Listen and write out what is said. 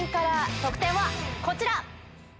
得点はこちら。